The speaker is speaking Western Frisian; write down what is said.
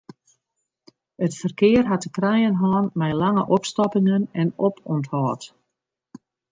It ferkear hat te krijen hân mei lange opstoppingen en opûnthâld.